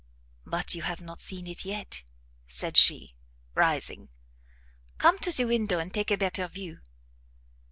"But you have not seen it yet," said she, rising; "come to the window and take a better view."